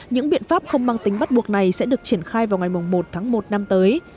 những biện pháp không mang tính bắt buộc này sẽ được triển khai vào ngày một tháng một năm tới